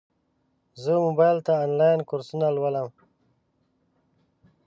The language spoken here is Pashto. زه موبایل ته انلاین کورسونه لولم.